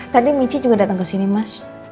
tadi michi juga dateng kesini mas